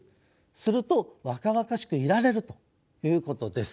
すると若々しくいられるということです。